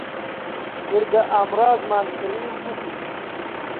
وردە ئامرازمان کڕی و گوتی: